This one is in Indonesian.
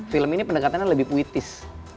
film ini pendekatannya lebih puitis